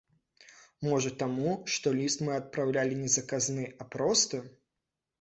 Можа таму, што ліст мы адпраўлялі не заказны, а просты.